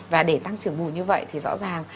và để tăng trưởng mùi như vậy thì rõ ràng